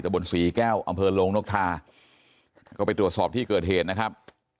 บนศรีแก้วอำเภอโลงนกทาก็ไปตรวจสอบที่เกิดเหตุนะครับ